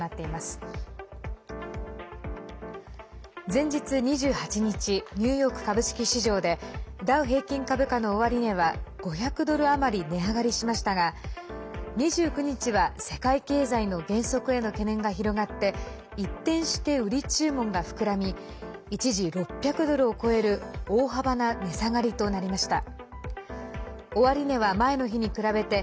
前日２８日ニューヨーク株式市場でダウ平均株価の終値は５００ドル余り値上がりしましたが２９日は世界経済の減速への懸念が広がって一転して売り注文が膨らみ一時６００ドルを超える大幅な値下がりとなりました。